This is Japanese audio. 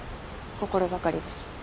心ばかりですが。